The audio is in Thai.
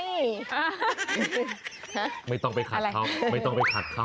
ไม่ต้องไปขัดเขาไม่ต้องไปขัดเขา